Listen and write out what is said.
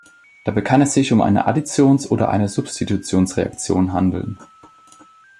Dabei kann es sich um eine Additions- oder eine Substitutionsreaktion handeln.